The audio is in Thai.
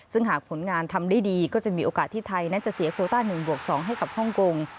ซึ่งหากผลงานทำได้ดีก็จะมีโอกาสที่ไทยนั้นจะเสียโคต้า๑บวก๒ให้กับฮ่องกง